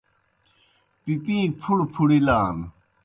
پِپِیں پُھڑہ پُھڑِلان۔